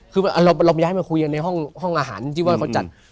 คือเราย้ายมาคุยกันในห้องอาหารที่ว่าเขาจัด